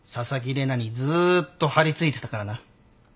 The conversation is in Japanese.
玲奈にずっと張り付いてたからな。